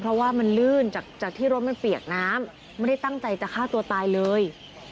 เพราะว่ามันลื่นจากที่รถมันเปียกน้ำไม่ได้ตั้งใจจะฆ่าตัวตายเลย